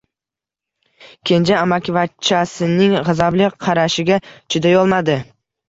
Kenja amakivachchasining g‘azabli qarashiga chidayolmadi.